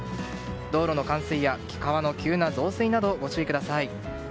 道路の冠水や川の急な増水などご注意ください。